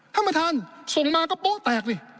ถ้าไม่ทันส่งมาก็โป๊ะแตก